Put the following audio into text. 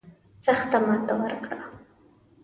سخته ماته ورکړه.